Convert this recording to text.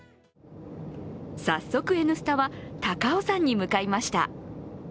早速「Ｎスタ」は高尾山に向かいました。